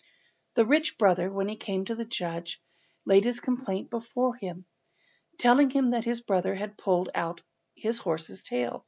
The rich brother, when he came to the judge, laid his complaint before him, telling him that his brother had pulled out his horse's tail.